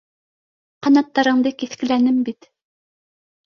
Ҡанаттарыңды киҫкеләнем бит